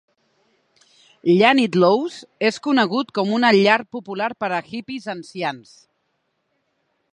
Llanidloes és conegut com una llar popular per a hippies ancians